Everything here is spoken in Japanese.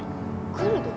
クルド？